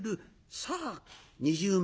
さあ２０万